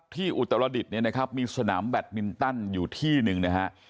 อุตรดิษฐ์เนี่ยนะครับมีสนามแบตมินตันอยู่ที่หนึ่งนะฮะ